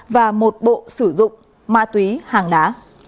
và một bộ sử dụng ma túy hàng đá